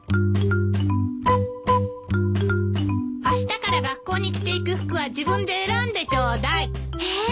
あしたから学校に着ていく服は自分で選んでちょうだい。え！